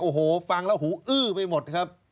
โอ้โหฟังแล้วหูอื้อไปหมดครับ